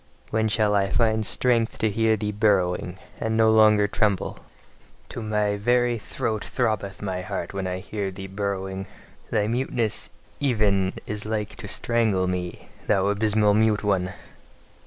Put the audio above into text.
When shall I find strength to hear thee burrowing, and no longer tremble? To my very throat throbbeth my heart when I hear thee burrowing! Thy muteness even is like to strangle me, thou abysmal mute one!